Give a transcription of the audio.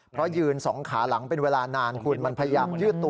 เพราะยืนสองขาหลังเป็นเวลานานคุณมันพยายามยืดตัว